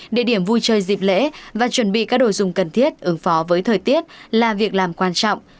địa điểm vui chơi dịp lễ và chuẩn bị các đồ dùng cần thiết ứng phó với thời tiết là việc làm quan trọng